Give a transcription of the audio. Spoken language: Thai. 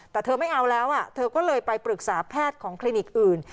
แต่เธอไม่เอาแล้วเธอก็เลยไปปรึกษาแพทย์ของคลินิกอื่น